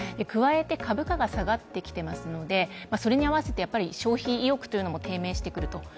加えて株価が下がってきていますのでそれに合わせて消費意欲も低迷してくると。